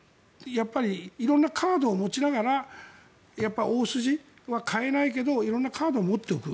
やっぱり色んなカードを持ちながら大筋は変えないけど色んなカードを持っておく。